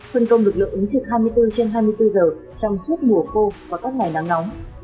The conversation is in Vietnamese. phân công lực lượng ứng trực hai mươi bốn trên hai mươi bốn giờ trong suốt mùa khô và các ngày nắng nóng